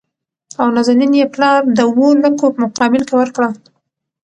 او نازنين يې پلار د اوولکو په مقابل کې ورکړه .